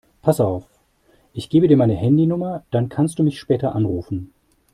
Pass auf, ich gebe dir meine Handynummer, dann kannst du mich später anrufen.